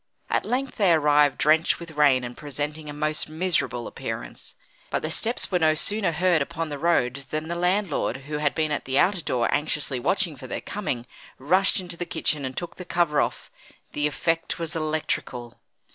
At length they arrived drenched with rain and presenting a most miserable appearance. But their steps were no sooner heard upon the road than the landlord, who had been at the outer door anxiously watching for their coming, rushed into the kitchen and took the cover off. The effect was electrical.